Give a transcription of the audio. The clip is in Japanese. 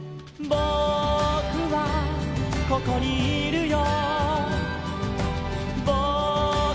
「ぼくはここにいるよ」